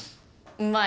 うまい！